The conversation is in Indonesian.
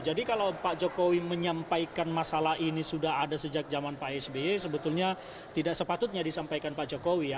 jadi kalau pak jokowi menyampaikan masalah ini sudah ada sejak zaman pak sby sebetulnya tidak sepatutnya disampaikan pak jokowi ya